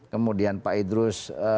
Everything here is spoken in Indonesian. kemudian pak idrus